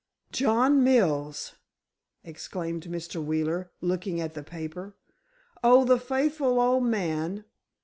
"John Mills!" exclaimed Mr. Wheeler, looking at the paper. "Oh, the faithful old man!